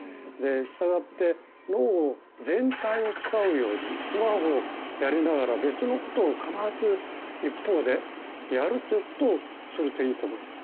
したがって脳全体を使うようにスマホをやりながら別のことを必ず一方でやるということをするといいと思います。